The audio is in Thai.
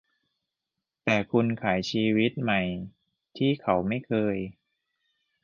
แต่คุณขายชีวิตใหม่ที่เขาไม่เคย